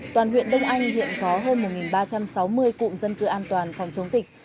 toàn huyện đông anh hiện có hơn một ba trăm sáu mươi cụm dân cư an toàn phòng chống dịch